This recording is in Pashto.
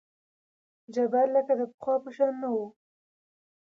جبار لکه د پخوا په شان نه وو.